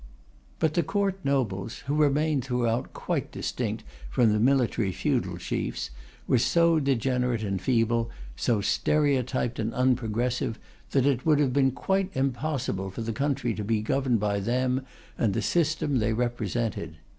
But the Court nobles (who remained throughout quite distinct from the military feudal chiefs) were so degenerate and feeble, so stereotyped and unprogressive, that it would have been quite impossible for the country to be governed by them and the system they represented.